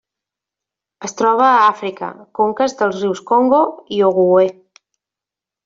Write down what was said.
Es troba a Àfrica: conques dels rius Congo i Ogooué.